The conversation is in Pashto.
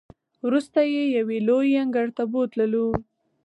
وروسته یې یوې لویې انګړ ته بوتللو.